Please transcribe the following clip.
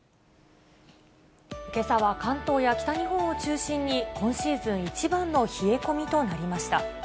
けさは関東や北日本を中心に、今シーズン一番の冷え込みとなりました。